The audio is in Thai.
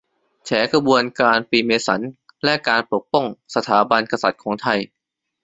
แฉขบวนการฟรีเมสัน และการปกป้องสถาบันกษัตริย์ของไทย